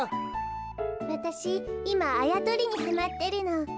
わたしいまあやとりにはまってるの。